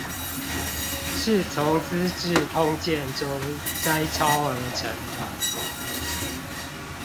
是從資治通鑑中摘抄而成的